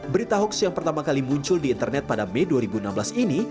berita hoax yang pertama kali muncul di internet pada mei dua ribu enam belas ini